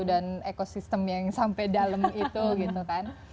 dan ekosistem yang sampai dalam itu gitu kan